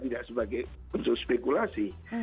tidak sebagai insur spekulasi